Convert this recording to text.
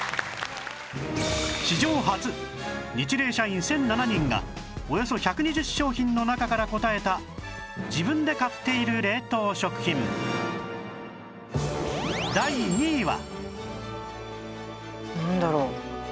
史上初ニチレイ社員１００７人がおよそ１２０商品の中から答えた自分で買っている冷凍食品なんだろう？